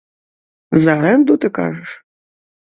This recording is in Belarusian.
За арэнду, ты кажаш?